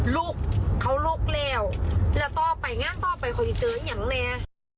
ลุกเขาลุกแล้วแล้วต่อไปงานต่อไปเขาจะเจออย่างแน่